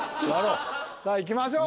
さあいきましょう。